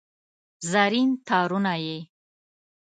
زرین تارونه یې